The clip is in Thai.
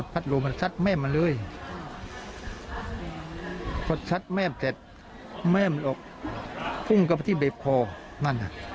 พอชัดแม่มเสร็จแม่มันหลบพึงกับพระที่บิปภาวนั่นอ่ะ